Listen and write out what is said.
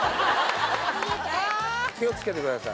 気を付けてください。